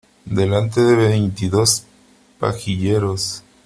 delante de veintidós pajilleros .